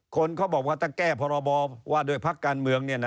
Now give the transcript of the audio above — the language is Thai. คนเขาบอกว่าถ้าแก้พรบว่าด้วยพักการเมืองเนี่ยนะ